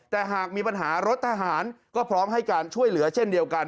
แต่หากมีปัญหารถทหารก็พร้อมให้การช่วยเหลือเช่นเดียวกัน